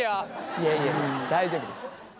いやいや大丈夫です。